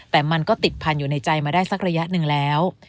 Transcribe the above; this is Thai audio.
แต่มันก็ติดพันธุ์อยู่ในใจมาได้สักระยะหนึ่งแล้ว